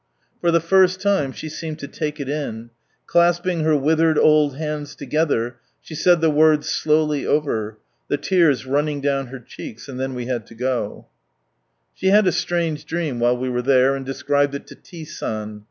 For the first time she seemed ing her withered old hands together, she said the words sli running down her cheeks, and then we had to go. She had a strange dream while we were there, and described it to T, San.